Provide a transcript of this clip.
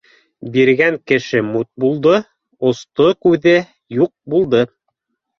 — Биргән кеше мут булды, осто күҙе юҡ булды